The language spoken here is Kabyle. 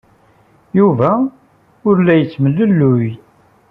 Yuba ur la yettemlelluy.